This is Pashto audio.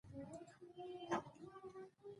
اوږد سفر وو.